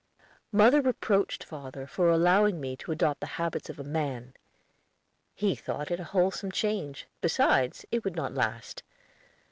Mother reproached father for allowing me to adopt the habits of a man. He thought it a wholesome change; besides, it would not last.